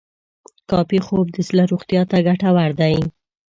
کافي خوب د زړه روغتیا ته ګټور دی.